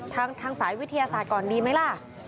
ทางสายวิทยาศาสตร์ก่อนดีไหมล่ะ